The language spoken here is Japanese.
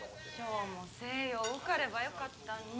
翔も星葉受かればよかったんに